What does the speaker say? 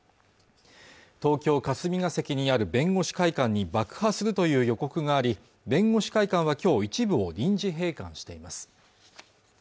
東京・霞が関にある弁護士会館に爆破するという予告があり弁護士会館は今日一部を臨時閉館しています